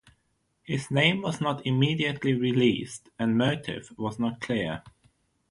His name was not immediately released and motive was not clear.